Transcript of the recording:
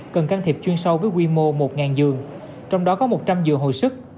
cần can thiệp chuyên sâu với quy mô một giường trong đó có một trăm linh giường hồi sức